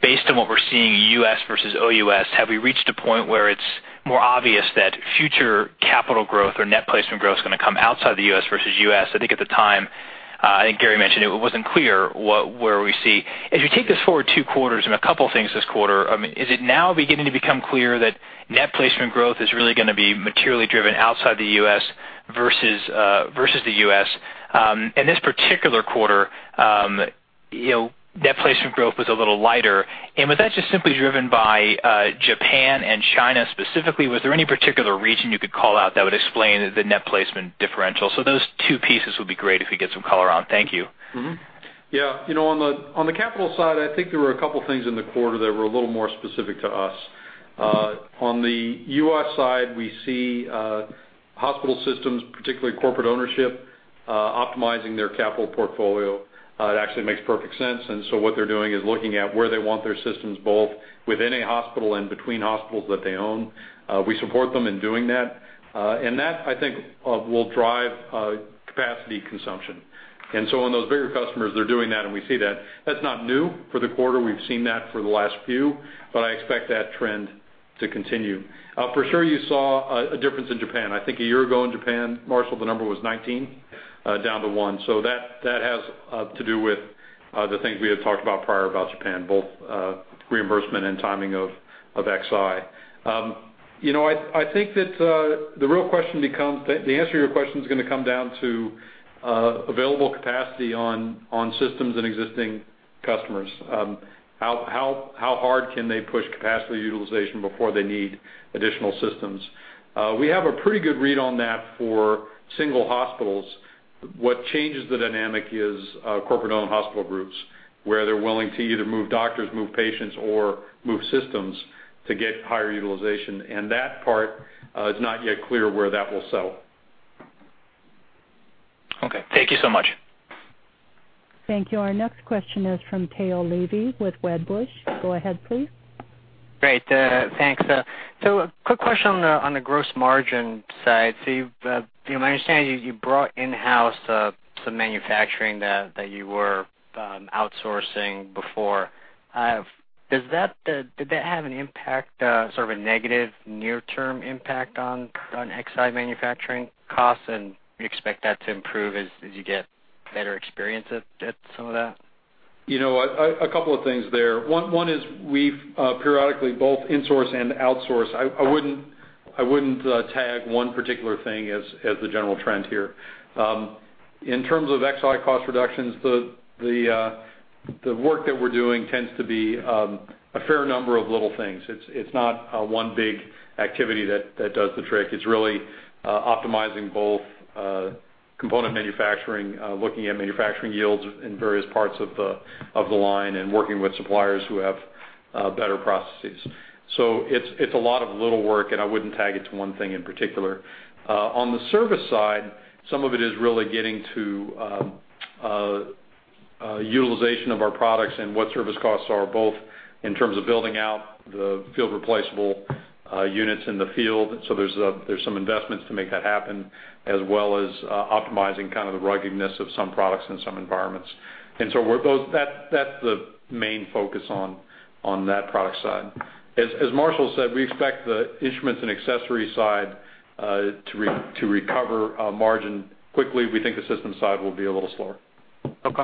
based on what we're seeing U.S. versus OUS, have we reached a point where it's more obvious that future capital growth or net placement growth is going to come outside the U.S. versus U.S.? I think at the time, I think Gary mentioned it wasn't clear where we see. As you take this forward two quarters and a couple things this quarter, is it now beginning to become clear that net placement growth is really going to be materially driven outside the U.S. versus the U.S.? In this particular quarter, net placement growth was a little lighter. Was that just simply driven by Japan and China specifically? Was there any particular region you could call out that would explain the net placement differential? Those two pieces would be great if we get some color on. Thank you. Yeah. On the capital side, I think there were a couple things in the quarter that were a little more specific to us. On the U.S. side, we see hospital systems, particularly corporate ownership, optimizing their capital portfolio. It actually makes perfect sense, what they're doing is looking at where they want their systems, both within a hospital and between hospitals that they own. We support them in doing that. That, I think, will drive capacity consumption. On those bigger customers, they're doing that, and we see that. That's not new for the quarter. We've seen that for the last few, but I expect that trend to continue. For sure you saw a difference in Japan. I think a year ago in Japan, Marshall, the number was 19 down to one. That has to do with the things we had talked about prior about Japan, both reimbursement and timing of Xi. I think that the answer to your question is going to come down to available capacity on systems and existing customers. How hard can they push capacity utilization before they need additional systems? We have a pretty good read on that for single hospitals. What changes the dynamic is corporate-owned hospital groups, where they're willing to either move doctors, move patients, or move systems to get higher utilization. That part is not yet clear where that will settle. Okay. Thank you so much. Thank you. Our next question is from Tao Levy with Wedbush. Go ahead, please. Great. Thanks. A quick question on the gross margin side. My understanding is you brought in-house some manufacturing that you were outsourcing before. Did that have an impact, sort of a negative near term impact on Xi manufacturing costs? You expect that to improve as you get better experience at some of that? A couple of things there. One is we periodically both insource and outsource. I wouldn't tag one particular thing as the general trend here. In terms of Xi cost reductions, the work that we're doing tends to be a fair number of little things. It's not one big activity that does the trick. It's really optimizing both component manufacturing, looking at manufacturing yields in various parts of the line, and working with suppliers who have better processes. It's a lot of little work, and I wouldn't tag it to one thing in particular. On the service side, some of it is really getting to utilization of our products and what service costs are, both in terms of building out the field replaceable units in the field, so there's some investments to make that happen, as well as optimizing kind of the ruggedness of some products in some environments. That's the main focus on that product side. As Marshall said, we expect the instruments and accessories side to recover margin quickly. We think the systems side will be a little slower. Okay.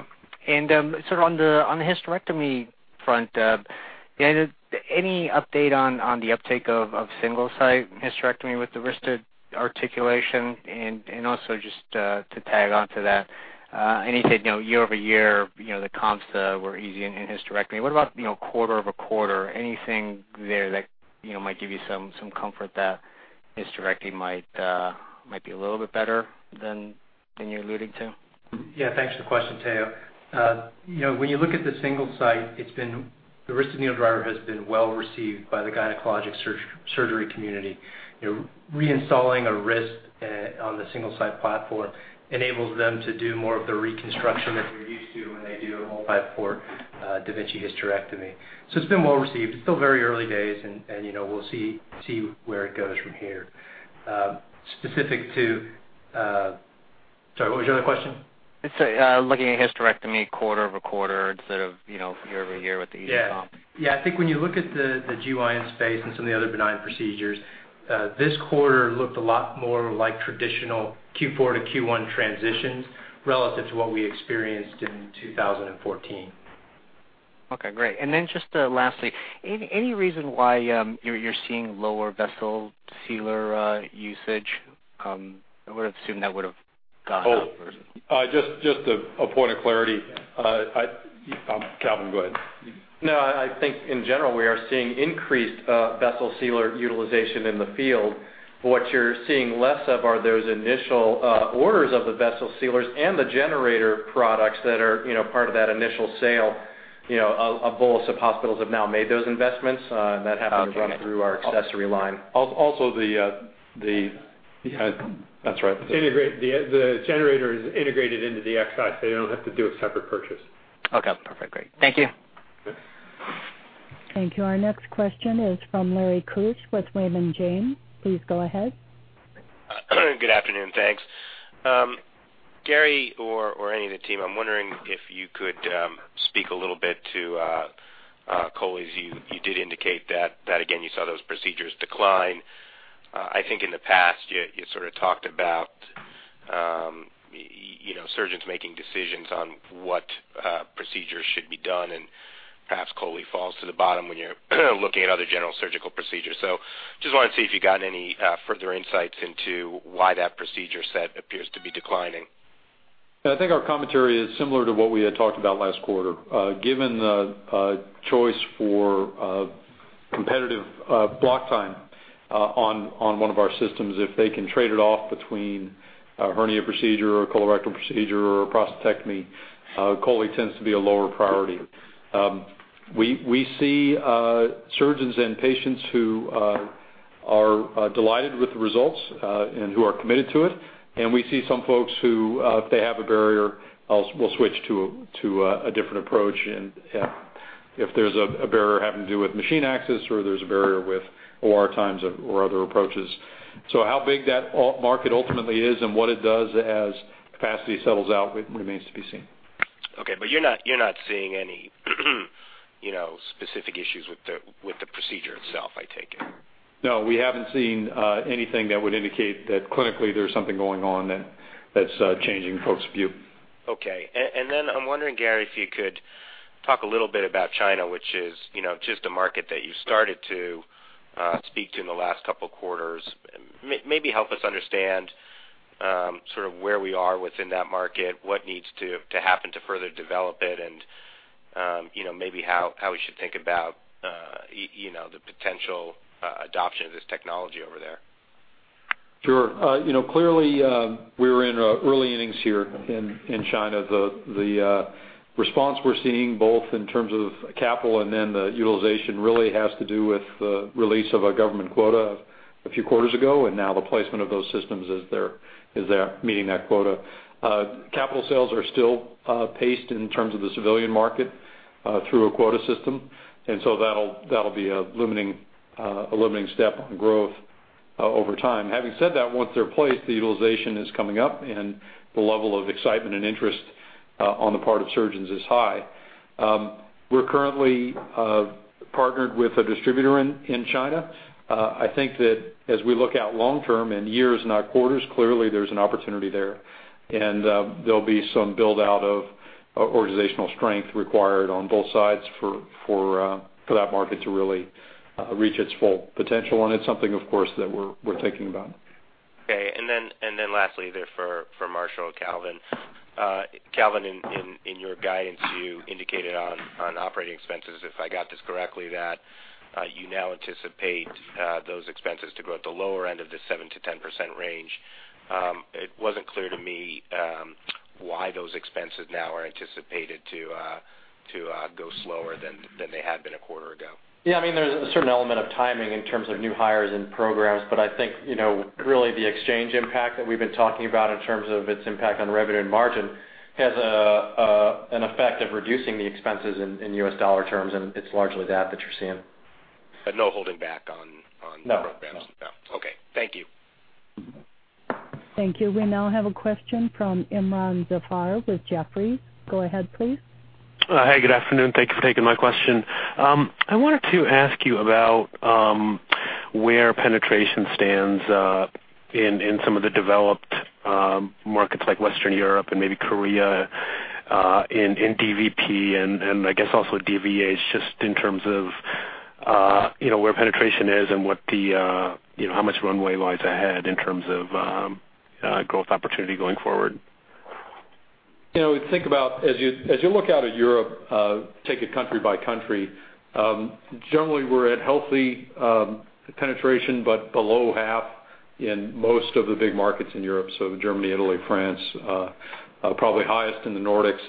Sort of on the hysterectomy front, any update on the uptake of Single-Site hysterectomy with the wristed articulation? Also just to tag onto that, you said, year-over-year, the comps were easy in hysterectomy. What about quarter-over-quarter? Anything there that might give you some comfort that hysterectomy might be a little bit better than you're alluding to? Yeah. Thanks for the question, Tao. When you look at the Single-Site, the wristed needle driver has been well received by the gynecologic surgery community. Reinstalling a wrist on the Single-Site platform enables them to do more of the reconstruction that they're used to when they do a multi-port da Vinci hysterectomy. It's been well received. It's still very early days, and we'll see where it goes from here. Specific to Sorry, what was your other question? It's looking at hysterectomy quarter-over-quarter instead of year-over-year with the easy comps. Yeah. I think when you look at the GYN space and some of the other benign procedures, this quarter looked a lot more like traditional Q4 to Q1 transitions relative to what we experienced in 2014. Okay, great. Then just lastly, any reason why you're seeing lower Vessel Sealer usage? I would've assumed that would've gone up. Just a point of clarity. Calvin, go ahead. No, I think in general, we are seeing increased Vessel Sealer utilization in the field. What you're seeing less of are those initial orders of the Vessel Sealers and the generator products that are part of that initial sale. A bolus of hospitals have now made those investments, and that happens right through our accessory line. Also the- Yeah. That's right. The generator is integrated into the Xi. You don't have to do a separate purchase. Okay, perfect. Great. Thank you. Okay. Thank you. Our next question is from Larry Keusch with Raymond James. Please go ahead. Good afternoon. Thanks. Gary, or any of the team, I'm wondering if you could speak a little bit to chole. You did indicate that again, you saw those procedures decline. I think in the past, you sort of talked about surgeons making decisions on what procedures should be done, and perhaps chole falls to the bottom when you're looking at other general surgical procedures. Just wanted to see if you got any further insights into why that procedure set appears to be declining. I think our commentary is similar to what we had talked about last quarter. Given the choice for competitive block time on one of our systems, if they can trade it off between a hernia procedure or a colorectal procedure or a prostatectomy, chole tends to be a lower priority. We see surgeons and patients who are delighted with the results, and who are committed to it, and we see some folks who, if they have a barrier, will switch to a different approach, and if there's a barrier having to do with machine access or there's a barrier with OR times or other approaches. How big that market ultimately is and what it does as capacity settles out remains to be seen. Okay. You're not seeing any specific issues with the procedure itself, I take it. No, we haven't seen anything that would indicate that clinically there's something going on that's changing folks' view. Okay. I'm wondering, Gary, if you could talk a little bit about China, which is just a market that you started to speak to in the last couple of quarters. Maybe help us understand sort of where we are within that market, what needs to happen to further develop it, and maybe how we should think about the potential adoption of this technology over there. Sure. Clearly, we're in early innings here in China. The response we're seeing both in terms of capital and then the utilization really has to do with the release of a government quota a few quarters ago. Now the placement of those systems is they're meeting that quota. Capital sales are still paced in terms of the civilian market through a quota system. That'll be a limiting step on growth over time. Having said that, once they're placed, the utilization is coming up and the level of excitement and interest on the part of surgeons is high. We're currently partnered with a distributor in China. I think that as we look out long term in years, not quarters, clearly there's an opportunity there. There'll be some build-out of organizational strength required on both sides for that market to really reach its full potential. It's something, of course, that we're thinking about. Okay, lastly there for Marshall or Calvin. Calvin, in your guidance, you indicated on operating expenses, if I got this correctly, that you now anticipate those expenses to grow at the lower end of the 7%-10% range. It wasn't clear to me why those expenses now are anticipated to go slower than they had been a quarter ago. Yeah, there's a certain element of timing in terms of new hires and programs, I think, really the exchange impact that we've been talking about in terms of its impact on revenue and margin has an effect of reducing the expenses in U.S. dollar terms. It's largely that which we're seeing. No holding back on programs. No. No. Okay. Thank you. Thank you. We now have a question from Imron Zafar with Jefferies. Go ahead, please. Hi, good afternoon. Thanks for taking my question. I wanted to ask you about where penetration stands in some of the developed markets like Western Europe and maybe Korea, in DVP and I guess also DVA, just in terms of where penetration is and how much runway lies ahead in terms of growth opportunity going forward. Think about as you look out at Europe, take it country by country, generally we're at healthy penetration, but below half in most of the big markets in Europe, so Germany, Italy, France. Probably highest in the Nordics.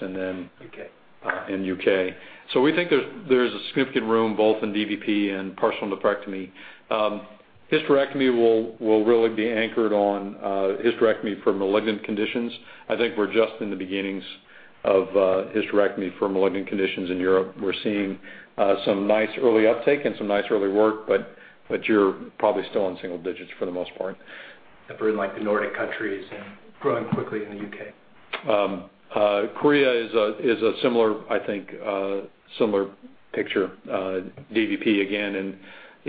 UK UK. We think there's a significant room both in DVP and partial nephrectomy. Hysterectomy will really be anchored on hysterectomy for malignant conditions. I think we're just in the beginnings of hysterectomy for malignant conditions in Europe. We're seeing some nice early uptake and some nice early work, but you're probably still in single digits for the most part. That were in the Nordic countries and growing quickly in the U.K. Korea is a similar picture. DVP again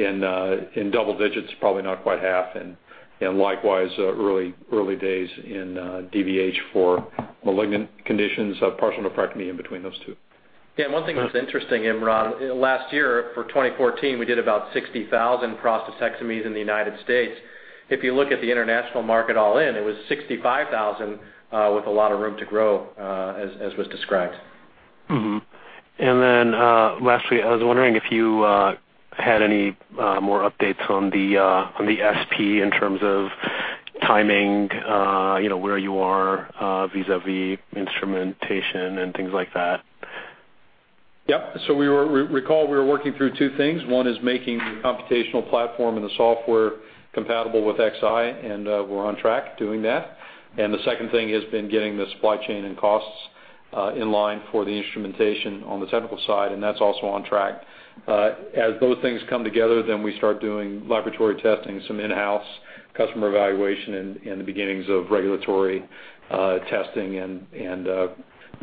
in double digits, probably not quite half, and likewise, early days in DVH for malignant conditions, partial nephrectomy in between those two. Yeah. One thing that's interesting, Imron, last year, for 2014, we did about 60,000 prostatectomies in the United States. If you look at the international market all in, it was 65,000, with a lot of room to grow, as was described. Lastly, I was wondering if you had any more updates on the SP in terms of timing, where you are vis-a-vis instrumentation and things like that. Yep. Recall we were working through two things. One is making the computational platform and the software compatible with Xi, We're on track doing that. The second thing has been getting the supply chain and costs in line for the instrumentation on the technical side, That's also on track. As those things come together, we start doing laboratory testing, some in-house customer evaluation, and the beginnings of regulatory testing and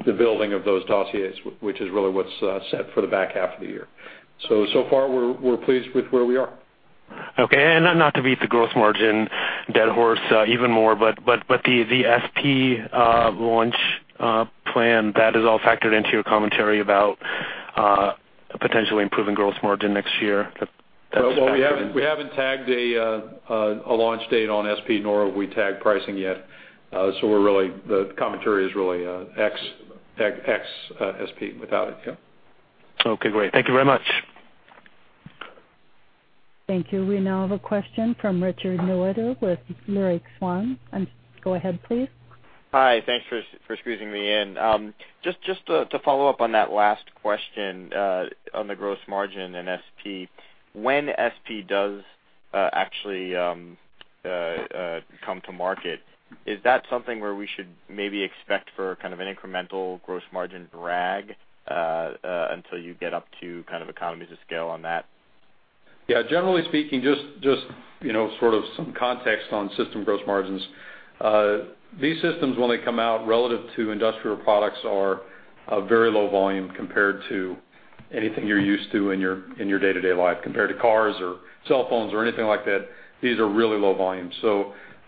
the building of those dossiers, which is really what's set for the back half of the year. So far we're pleased with where we are. Okay. Not to beat the gross margin dead horse even more, The SP launch plan, that is all factored into your commentary about potentially improving gross margin next year? Well, we haven't tagged a launch date on SP, nor have we tagged pricing yet. The commentary is really ex SP without it. Yep. Okay, great. Thank you very much. Thank you. We now have a question from Rick Newitter with Leerink Swann. Go ahead, please. Hi. Thanks for squeezing me in. Just to follow up on that last question on the gross margin in SP. When SP does actually come to market, is that something where we should maybe expect for kind of an incremental gross margin drag until you get up to kind of economies of scale on that? Yeah. Generally speaking, just sort of some context on system gross margins. These systems, when they come out relative to industrial products, are very low volume compared to anything you're used to in your day-to-day life. Compared to cars or cell phones or anything like that, these are really low volume.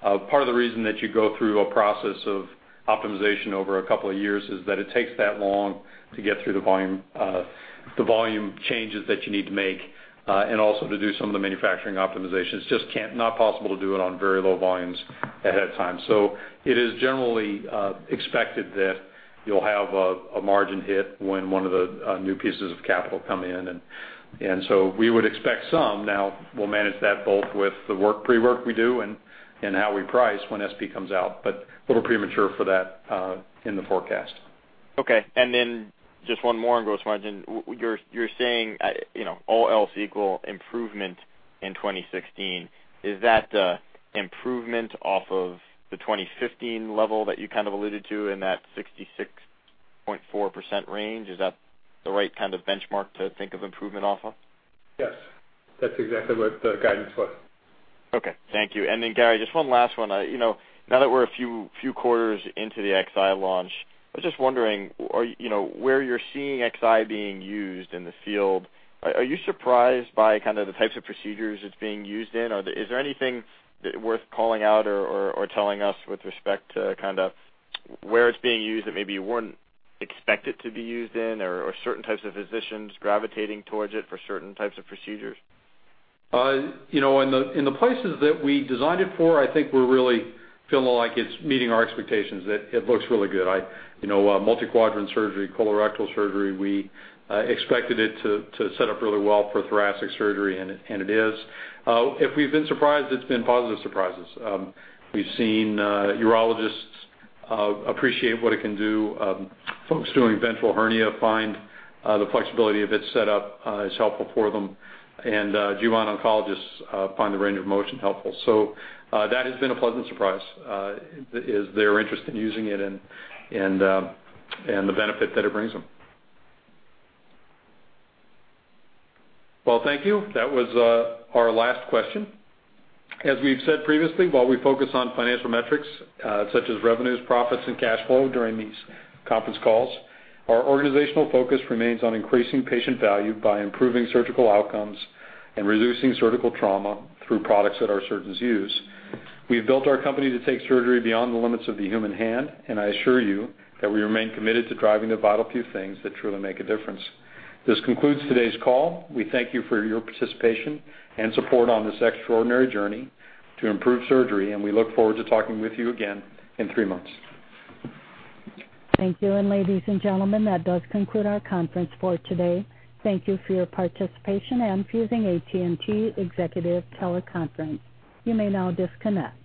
Part of the reason that you go through a process of optimization over a couple of years is that it takes that long to get through the volume changes that you need to make, and also to do some of the manufacturing optimizations. Just not possible to do it on very low volumes ahead of time. It is generally expected that you'll have a margin hit when one of the new pieces of capital come in. We would expect some. Now we'll manage that both with the pre-work we do and how we price when SP comes out. A little premature for that in the forecast. Okay. Just one more on gross margin. You're saying, all else equal, improvement in 2016. Is that improvement off of the 2015 level that you kind of alluded to in that 66.4% range? Is that the right kind of benchmark to think of improvement off of? Yes. That's exactly what the guidance was. Okay. Thank you. Gary, just one last one. Now that we're a few quarters into the Xi launch, I was just wondering where you're seeing Xi being used in the field. Are you surprised by kind of the types of procedures it's being used in? Is there anything worth calling out or telling us with respect to kind of where it's being used that maybe you weren't expect it to be used in, or certain types of physicians gravitating towards it for certain types of procedures? In the places that we designed it for, I think we're really feeling like it's meeting our expectations, that it looks really good. Multiquadrant surgery, colorectal surgery, we expected it to set up really well for thoracic surgery, and it is. If we've been surprised, it's been positive surprises. We've seen urologists appreciate what it can do. Folks doing ventral hernia find the flexibility of its set up is helpful for them. GYN oncologists find the range of motion helpful. That has been a pleasant surprise, is their interest in using it and the benefit that it brings them. Well, thank you. That was our last question. As we've said previously, while we focus on financial metrics such as revenues, profits, and cash flow during these conference calls, our organizational focus remains on increasing patient value by improving surgical outcomes and reducing surgical trauma through products that our surgeons use. We've built our company to take surgery beyond the limits of the human hand, and I assure you that we remain committed to driving the vital few things that truly make a difference. This concludes today's call. We thank you for your participation and support on this extraordinary journey to improve surgery, and we look forward to talking with you again in three months. Thank you. Ladies and gentlemen, that does conclude our conference for today. Thank you for your participation and for using AT&T Executive Teleconference. You may now disconnect.